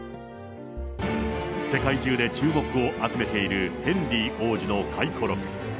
世界中で注目を集めているヘンリー王子の回顧録。